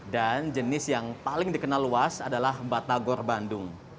dan jenis yang paling dikenal luas adalah batagor bandung